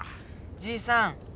じいさん。